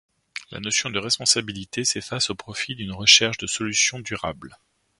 La notion de responsabilité s'efface au profit d'une recherche de solutions durables.